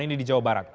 ini di jawa barat